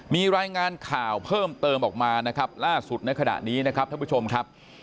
มีรายงานข่าวเพิ่มเติมออกมานะครับล่าสุดในขณะนี้นะครับท่านผู้ชมครับ